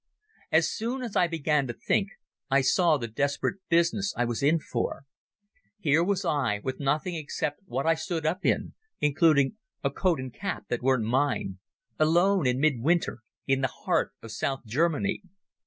As soon as I began to think I saw the desperate business I was in for. Here was I, with nothing except what I stood up in—including a coat and cap that weren't mine—alone in mid winter in the heart of South Germany.